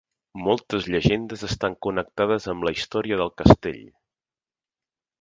Moltes llegendes estan connectades amb la història del castell.